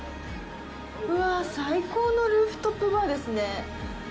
うわぁ、最高のルーフトップバーですね。